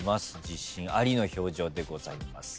自信ありの表情でございます。